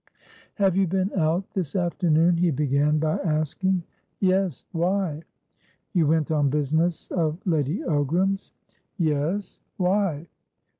"Have you been out this afternoon?" he began by asking. "Yes. Why?" "You went on business of Lady Ogram's?" "Yes. Why?"